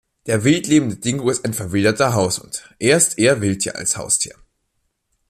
Der wildlebende Dingo ist ein verwilderter Haushund, er ist eher Wildtier als Haustier.